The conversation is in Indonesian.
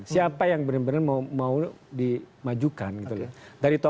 siapa yang benar benar mau dimajukan gitu loh